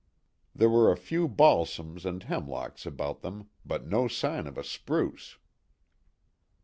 There were a few balsams and hemlocks about them, but no sign of a spruce.